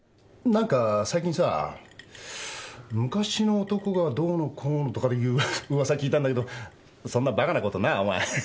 何か最近さ昔の男がどうのこうのとかいう噂聞いたんだけどそんなバカなことなあお前ハハハ。